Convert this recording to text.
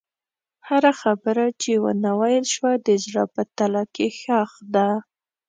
هره خبره چې ونه ویل شوه، د زړه په تله کې ښخ ده.